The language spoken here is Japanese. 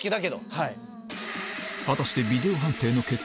はい。